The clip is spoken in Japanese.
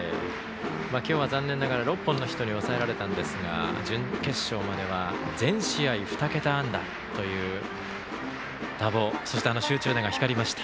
今日は残念ながら６本のヒットに抑えられたんですが全試合ふた桁安打という打棒集中打が光りました。